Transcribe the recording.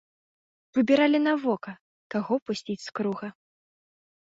Выбіралі на вока, каго пусціць з круга.